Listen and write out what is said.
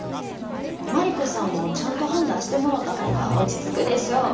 真理子さんもちゃんと判断してもろうたほうが落ち着くでしょう。